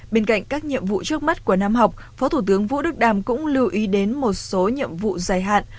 bên cạnh các nhiệm vụ trước mắt của năm học phó thủ tướng vũ đức đam cũng lưu ý đến một số nhiệm vụ dài hạn